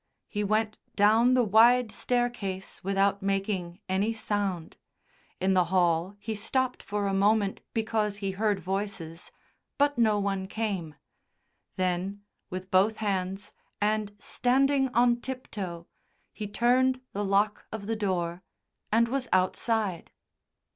He went down the wide staircase without making any sound; in the hall he stopped for a moment because he heard voices, but no one came. Then with both hands, and standing on tiptoe, he turned the lock of the door, and was outside.